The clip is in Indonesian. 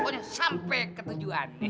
pokoknya sampai ketujuan